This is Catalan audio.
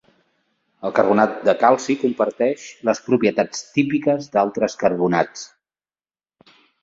El carbonat de calci comparteix les propietats típiques d'altres carbonats.